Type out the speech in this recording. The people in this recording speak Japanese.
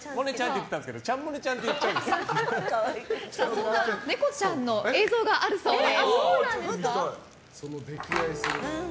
そんな猫ちゃんの映像があるそうです。